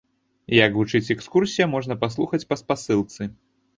Як гучыць экскурсія, можна паслухаць па спасылцы.